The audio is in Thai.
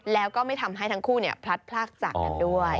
แล้วก็ไม่ทำให้ทั้งคู่พลัดพลากจากกันด้วย